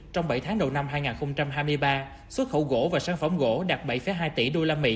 trong bảy tháng đầu năm hai nghìn hai mươi ba xuất khẩu gỗ và sản phẩm gỗ đạt bảy hai tỷ usd